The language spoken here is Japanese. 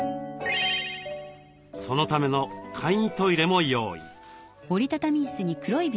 そのための簡易トイレも用意。